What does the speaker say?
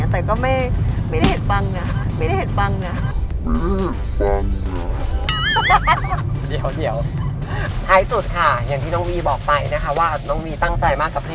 แต่ไม่ใช่คนที่คุณคิดใช่มั้ยคะ